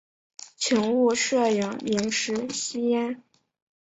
请勿摄影、饮食、吸烟